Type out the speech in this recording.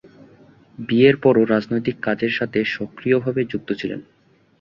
বিয়ের পরও রাজনৈতিক কাজের সাথে সক্রিয়ভাবে যুক্ত ছিলেন।